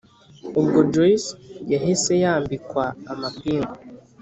ubwo joyce yahise yambikwa amapingu